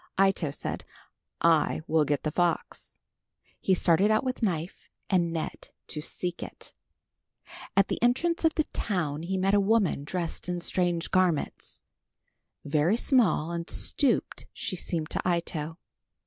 Ito said, "I will get the fox." He started out with knife and net to seek it. At the entrance of the town he met a woman dressed in strange garments. Very small and stooped she seemed to Ito.